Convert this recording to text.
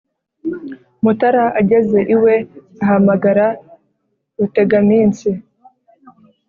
” mutara ageze iwe, ahamagara rutegaminsi